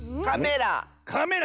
カメラ。